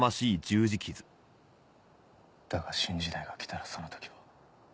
だが新時代が来たらその時は。